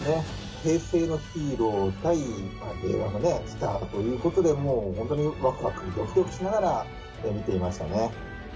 平成のヒーロー対令和のスターということで、もう本当に、わくわくどきどきしながら見ていましたね。